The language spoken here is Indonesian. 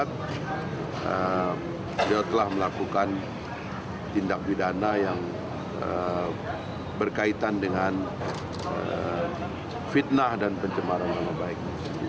beliau telah melakukan tindak pidana yang berkaitan dengan fitnah dan pencemaran nama baik